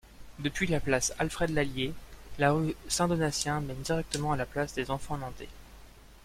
Depuis la Place Alfred-Lallié, la rue saint-Donatien mène directement à la place des Enfants-Nantais.